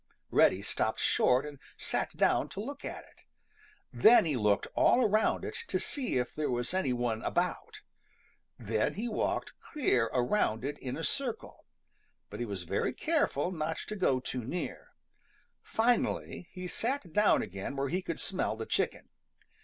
Reddy stopped short and sat down to look at it. Then he looked all around it to see if there was any one about. Then he walked clear around it in a circle, but he was very careful not to go too near. Finally he sat down again where he could smell the chicken.